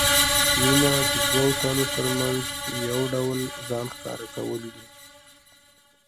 مینه د دوو تنو ترمنځ یو ډول ځان ښکاره کول دي.